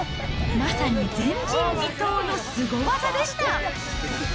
まさに前人未到のすご技でした。